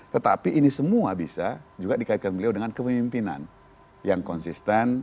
tetapi ini semua bisa juga dikaitkan beliau dengan kepemimpinan yang konsisten